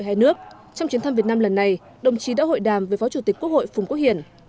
hai nước trong chuyến thăm việt nam lần này đồng chí đã hội đàm với phó chủ tịch quốc hội phùng quốc hiển